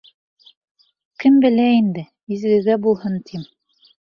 — Кем белә инде, изгегә булһын, тим.